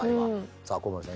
さあ小森さん